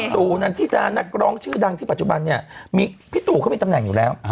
ตู่นันทิดานักร้องชื่อดังที่ปัจจุบันเนี่ยพี่ตู่เขามีตำแหน่งอยู่แล้ว